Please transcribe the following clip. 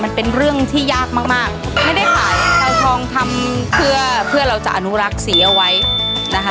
มันเป็นเรื่องที่ยากมากมากไม่ได้ขายเอาทองทำเพื่อเพื่อเราจะอนุรักษ์สีเอาไว้นะคะ